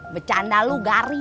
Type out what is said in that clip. bercanda lu gari